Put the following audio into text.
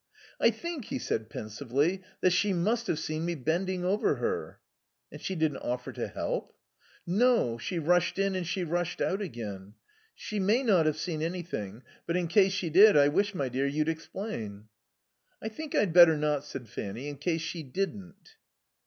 "I think," he said, pensively, "she must have seen me bending over her." "And she didn't offer to help?" "No; she rushed in and she rushed out again. She may not have seen anything; but in case she did, I wish, my dear, you'd explain." "I think I'd better not," said Fanny, "in case she didn't."